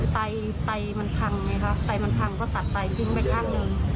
ไตมันพังไงคะไตมันพังก็ตัดไตทิ้งไปข้างหนึ่ง